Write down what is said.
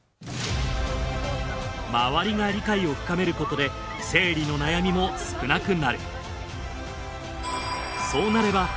周りが理解を深めることで生理の悩みも少なくなる。